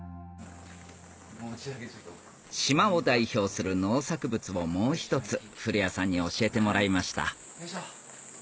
島を代表する農作物をもう一つ古屋さんに教えてもらいましたよいしょ。